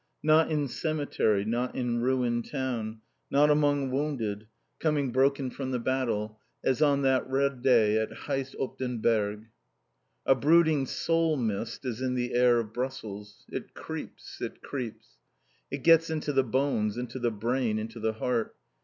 Not in cemetery, not in ruined town, not among wounded, coming broken from the battle, as on that red day at Heyst op den Berg. A brooding soul mist is in the air of Brussels. It creeps, it creeps. It gets into the bones, into the brain, into the heart.